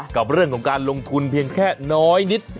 กับเรื่องของการลงทุนเพียงแค่น้อยนิด